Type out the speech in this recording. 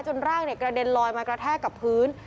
จนน่าร่างเนี่ยกระเด็นลอยมันกระทั่กกับพื้น